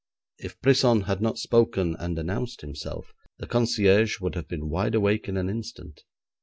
If Brisson had not spoken and announced himself, the concierge would have been wide awake in an instant.